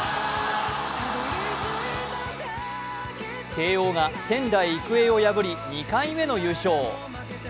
慶応が仙台育英を破り２回目の優勝！